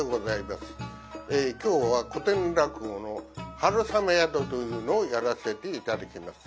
今日は古典落語の「春雨宿」というのをやらせて頂きます。